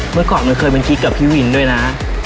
เมื่อก่อนมันเคยเป็นกิ๊กกับพี่วินด้วยนะ